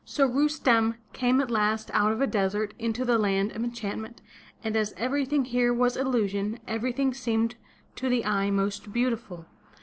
So Rustem came at last out of a desert into the land of en chantment, and as everything here was illusion, everything seemed to the eye most beautiful.